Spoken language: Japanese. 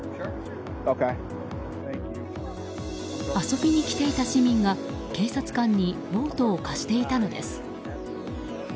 遊びに来ていた市民が警察官にボートを貸していたのです。